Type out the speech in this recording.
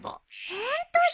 ホントだ！